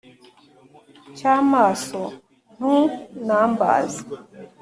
cy’amaso ntunumbers